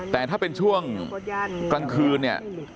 แต่ถ้าเป็นช่วงกลางคืนเนี่ย